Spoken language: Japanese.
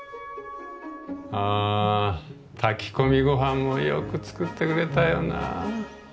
あ炊き込みごはんもよく作ってくれたよなぁ。